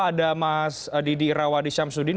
ada mas didi irawadi syamsuddin